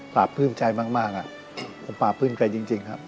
พ่อพึ่งใจมากอะผมพ่อพึ่งใจจริงครับ